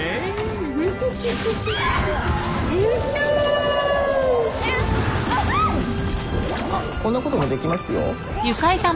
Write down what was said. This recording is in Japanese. ヌルフフフフあっこんなこともできますよ